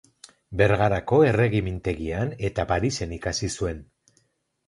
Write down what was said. Bergarako Errege Mintegian eta Parisen ikasi zuen.